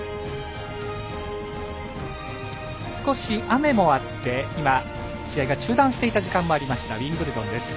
少し雨もあって、今、試合が中断していた時間もありましたウィンブルドンです。